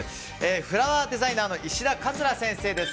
フラワーデザイナーの石田桂先生です。